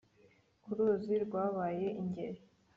Ku ruzi rwabaye ingeri